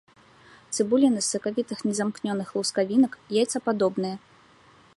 Цыбуліны з сакавітых незамкнёных лускавінак, яйцападобныя.